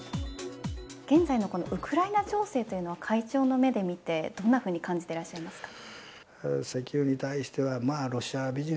現在のウクライナ情勢というのは会長の目で見てどんなふうに感じてらっしゃいますか。